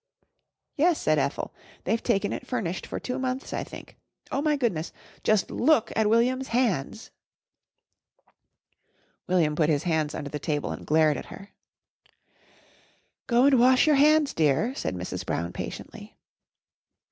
"Yes," said Ethel, "they've taken it furnished for two months, I think. Oh, my goodness, just look at William's hands!" William put his hands under the table and glared at her. "Go and wash your hands, dear," said Mrs. Brown patiently.